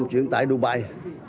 chuyển tại dubai